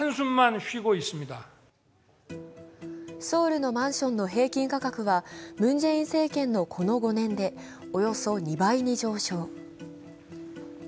ソウルのマンションの平均価格はムン・ジェイン政権のこの５年でおよそ２倍に上昇。